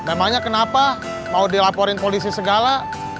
namanya kenapa mau dilaporin polisi segala